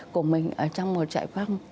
của mình ở trong một trại phong